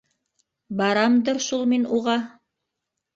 Барамдыр шул мин уға.